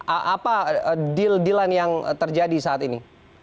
apa deal deal yang terjadi saat ini